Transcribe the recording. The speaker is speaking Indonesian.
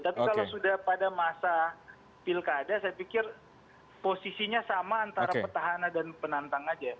tapi kalau sudah pada masa pilkada saya pikir posisinya sama antara petahana dan penantang aja